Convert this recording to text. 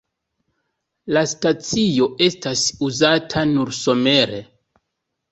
La stacio estas uzata nur somere.